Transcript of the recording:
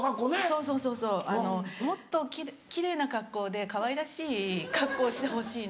そうそうそうそうもっと奇麗な格好でかわいらしい格好をしてほしいなと。